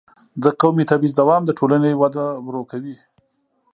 د قومي تبعیض دوام د ټولنې وده ورو کوي.